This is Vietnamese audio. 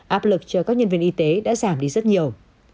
áp lực cho các nhân viên y tế đã giảm đi rất nhiều